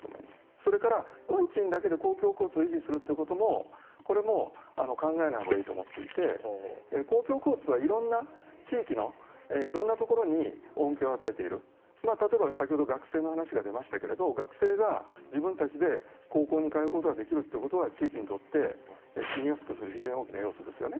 それから、運賃だけで公共交通を維持するということもこれも考えないほうがいいと思っていて公共交通はいろんな地域のいろんなところに恩恵を与えている例えば、先ほど学生の話が出ましたけれども学生が自分たちで高校に通うことができるということは地域にとって住みやすくする非常に大きな要素ですよね。